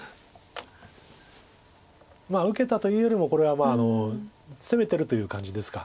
受けたというよりもこれは攻めてるという感じですか。